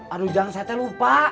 aduh jangan saya teh lupa